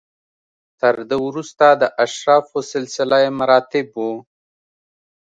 تر ده وروسته د اشرافو سلسله مراتب و